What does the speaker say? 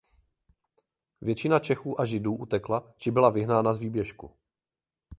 Většina Čechů a Židů utekla či byla vyhnána z výběžku.